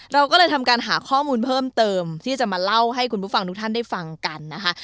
เราก็เลยทำการหาข้อมูลเพิ่มเติมที่จะมาเล่าให้คุณผู้ฟังทุกท่านได้ฟังกันนะคะ